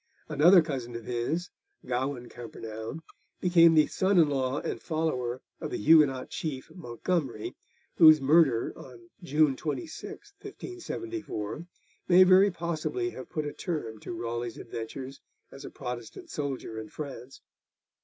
Another cousin of his, Gawen Champernoun, became the son in law and follower of the Huguenot chief, Montgomery, whose murder on June 26, 1574, may very possibly have put a term to Raleigh's adventures as a Protestant soldier in France.